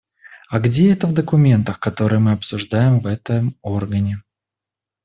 А где это в документах, которые мы обсуждаем в этом органе?